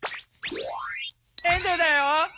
エンドゥだよ！